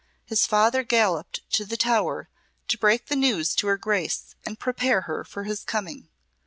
His father galloped to the Tower to break the news to her Grace and prepare her for his coming.